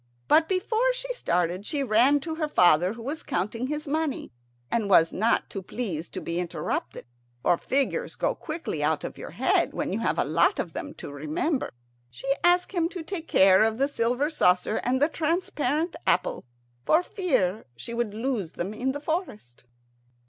But before she started she ran to her father, who was counting his money, and was not too pleased to be interrupted, for figures go quickly out of your head when you have a lot of them to remember. She asked him to take care of the silver saucer and the transparent apple for fear she would lose them in the forest.